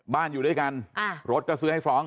อยู่ด้วยกันรถก็ซื้อให้ฟ้อง